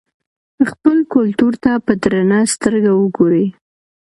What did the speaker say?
خپل کلتور ته په درنه سترګه وګورئ.